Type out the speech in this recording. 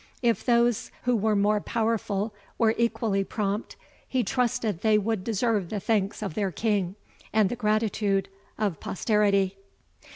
If those who were more powerful were equally prompt, he trusted they would deserve the thanks of their King, and the gratitude of posterity."